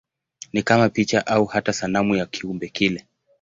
Ni kama picha au hata sanamu ya kiumbe kile.